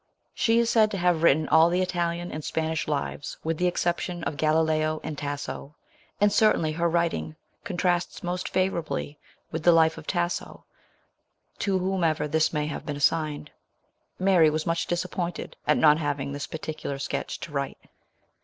She is said to have written all the Italian and Spanish lives with the exception of Galileo and Tasso ; and certainly her writing contrasts most favourably with the life of Tasso, to whomever this may have been assigned. Mary was much disappointed at not having this particular sketch to write.